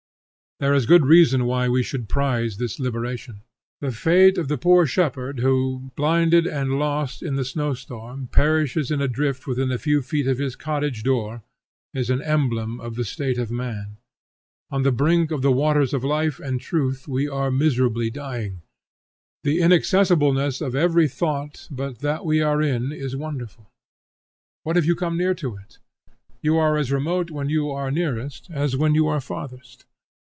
There is good reason why we should prize this liberation. The fate of the poor shepherd, who, blinded and lost in the snow storm, perishes in a drift within a few feet of his cottage door, is an emblem of the state of man. On the brink of the waters of life and truth, we are miserably dying. The inaccessibleness of every thought but that we are in, is wonderful. What if you come near to it; you are as remote when you are nearest as when you are farthest.